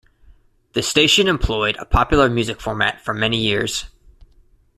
The station employed a popular music format for many years.